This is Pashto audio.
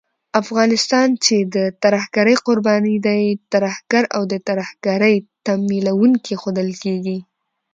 افغانستان چې د ترهګرۍ قرباني دی، ترهګر او د ترهګرۍ تمويلوونکی ښودل کېږي